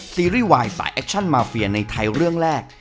ซีรีส์วายสายแอคชั่นมาเฟียในไทยเรื่องแรก